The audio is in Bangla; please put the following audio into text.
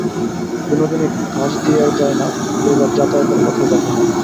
বিনোদিনী কাছ দিয়াও যায় না–দৈবাৎ যাতায়াতের পথেও দেখা হয় না।